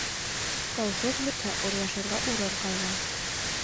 Колхоз бөтһә, урлашырға урын ҡалмай.